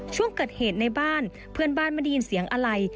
ช่วงเกิดเหตุในบ้านเพื่อนบ้านไม่ได้ยินเสียงอะไร